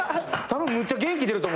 むっちゃ元気でると思うねん。